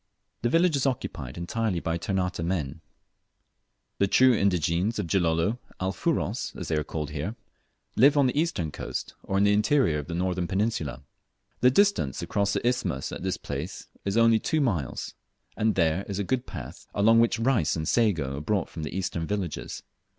The village is occupied entirely by Ternate men. The true indigenes of Gilolo, "Alfuros" as they are here called, live on the eastern coast, or in the interior of the northern peninsula. The distance across the isthmus at this place is only two miles, and there, is a good path, along which rice and sago are brought from the eastern villages.